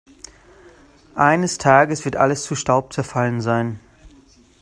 Eines Tages wird alles zu Staub zerfallen sein.